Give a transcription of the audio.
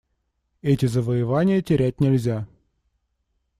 Эти завоевания терять нельзя.